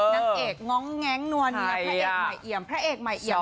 นักเอกง้องแงงนวนพระเอกใหม่เอียบ